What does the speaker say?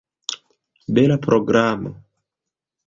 Bela programo!